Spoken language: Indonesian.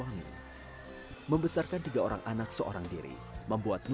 saya makin banyak mengajar abon